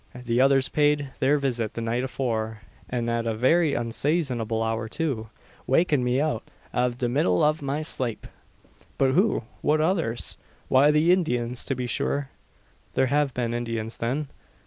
The others paid their visit the night afore, an at a very unsayzonable hour too, wakin' me out av the middle av my slape." "But who? what others?" "Why the Indyens, to be shure." "There have been Indians, then?"